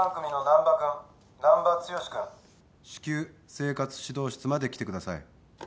難破剛君至急生活指導室まで来てください。